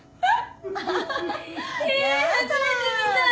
えっ？